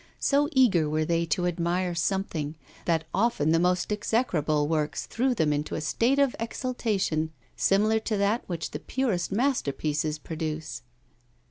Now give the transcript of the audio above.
So eager were they to admire something, that often the most execrable works threw them into a state of exaltation similar to that which the purest masterpieces produce.